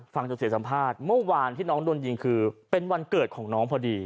ฟังจนเสียสัมภาษณ์เมื่อวานที่น้องโดนยิงคือเป็นวันเกิดของน้องพอดี